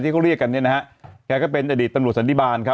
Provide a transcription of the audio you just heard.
แกก็เป็นอดีตตำรวจสันติบาล